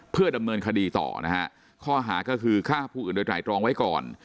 เพื่อดำเนินคดีต่อนะฮะข้อหาก็คือฆ่าผู้อื่นโดยไตรรองไว้ก่อน